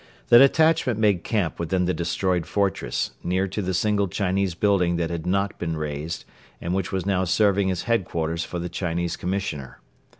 The detachment made camp within the destroyed fortress, near to the single Chinese building that had not been razed and which was now serving as headquarters for the Chinese Commissioner.